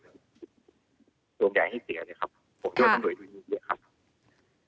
โดยอย่างให้เสียเลยโดยสังหลวนอยู่นิดหนึ่ง